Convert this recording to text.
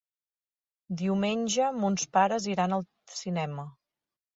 Diumenge mons pares iran al cinema.